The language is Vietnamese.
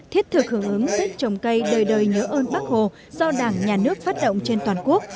thiết thực hưởng ứng tết trồng cây đời đời nhớ ơn bác hồ do đảng nhà nước phát động trên toàn quốc